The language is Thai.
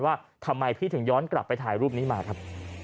ว่าทำไมพี่ถึงย้อนกลับไปถ่ายรูปนี้มาครับ